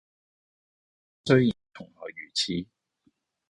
雖然從來如此，